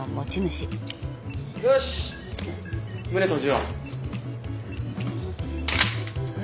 よし胸閉じよう。